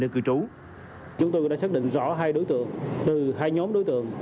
chúng tôi đã xác định rõ hai nhóm đối tượng